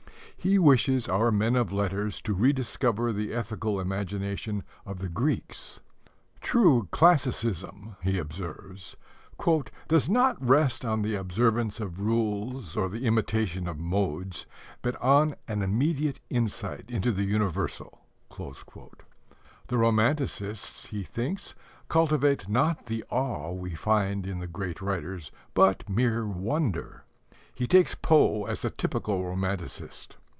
He wishes our men of letters to rediscover the ethical imagination of the Greeks. "True classicism," he observes, "does not rest on the observance of rules or the imitation of modes, but on an immediate insight into the universal." The romanticists, he thinks, cultivate not the awe we find in the great writers, but mere wonder. He takes Poe as a typical romanticist.